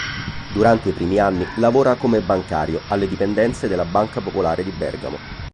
Durante i primi anni lavora come bancario alle dipendenze della Banca Popolare di Bergamo.